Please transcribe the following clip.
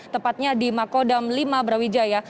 tepatnya di makodam lima brawijaya